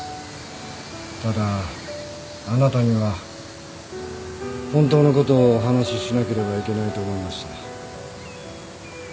ただあなたには本当のことをお話ししなければいけないと思いました。